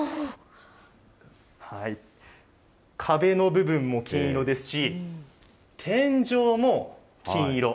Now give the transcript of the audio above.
壁の部分も金色ですし、天井も金色。